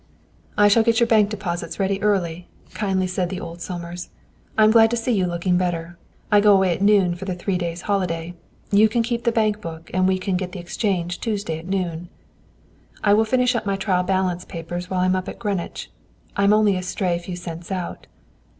"I shall get your bank deposits ready early," kindly said old Somers. "I'm glad to see you looking better. I go away at noon for the three days' holiday. You can keep the bank book, and we can get the exchange Tuesday at noon. "I will finish my trial balance papers while I'm up at Greenwich. I'm only a stray few cents out."